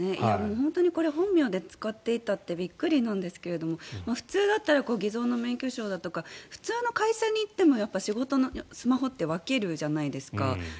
本当にこれ本名で使っていたってびっくりなんですけど普通だったら偽造の免許証だとか普通の会社に行っても仕事のスマホって分けるじゃないですか。